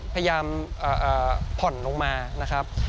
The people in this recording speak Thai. พยายามผ่อนลงมานะครับ